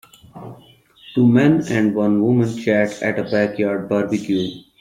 Two men and one woman chat at a backyard barbecue.